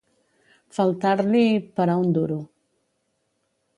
Faltar-li ... per a un duro.